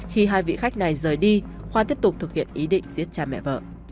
khi hai vị khách này rời đi khoa tiếp tục thực hiện ý định giết cha mẹ vợ